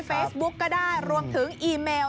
เฟซบุ๊กก็ได้รวมถึงอีเมล